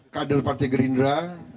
kader partai gerindra